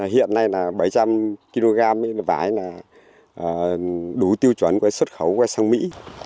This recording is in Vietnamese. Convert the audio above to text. hiện nay là bảy trăm linh kg vải đủ tiêu chuẩn xuất khẩu sang mỹ